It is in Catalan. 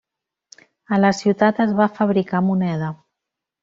A la ciutat es va fabricar moneda.